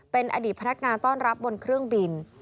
เป็นอดีตพนักงานต้อนรับบนเครื่องบิน